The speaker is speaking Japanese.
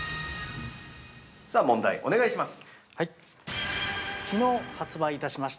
◆さあ問題、お願いします。